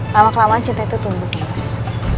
lama kelamaan cinta itu tumbuh